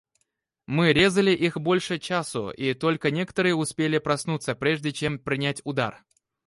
Мы резали их больше часу, и только некоторые успели проснуться, прежде чем принять удар.